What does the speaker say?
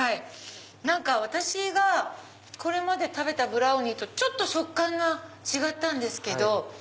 私がこれまで食べたブラウニーとちょっと食感が違ったんですけど。